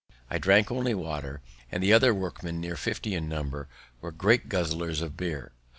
I drank only water; the other workmen, near fifty in number, were great guzzlers of beer.